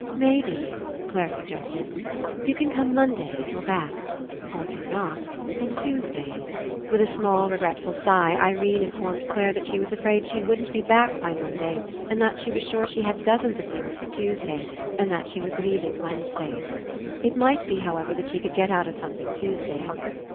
"Maybe," Clare suggested, "you can come Monday, if you're back. Or, if you're not, then Tuesday." ^ With a small regretful sigh, Irene in formed Clare that she was afraid she wouldn't be back by Monday and that she was sure she had dozens of things for Tuesday, and that she was leaving Wednesday. It might be, how ever, that she could get out of something Tues day.